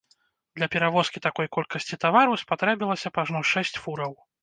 Для перавозкі такой колькасці тавару спатрэбілася б ажно шэсць фураў.